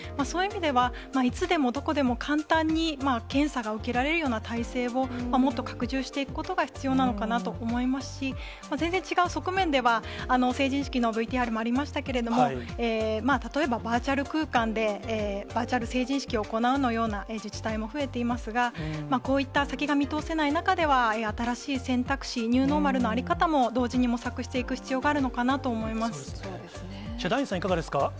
そういう意味では、いつでもどこでも簡単に検査が受けられるような体制をもっと拡充していくことが必要なのかなと思いますし、全然違う側面では、成人式のＶＴＲもありましたけれども、例えば、バーチャル空間で、バーチャル成人式を行うような自治体も増えていますが、こういった先が見通せない中では、新しい選択肢、ニューノーマルの在り方も同時に模索していく必要があるのかなとそうですね。